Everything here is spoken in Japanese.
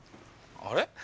あれ？